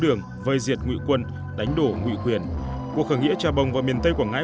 đường vây diệt ngụy quân đánh đổ ngụy quyền cuộc khởi nghĩa trà bồng và miền tây quảng ngãi